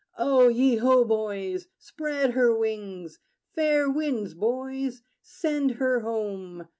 O ye ho, boys! Spread her wings! Fair winds, boys: send her home!